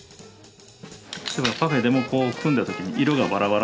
パフェでもこう組んだ時に色がバラバラ。